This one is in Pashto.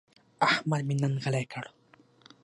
احمد مې نن غلی کړ.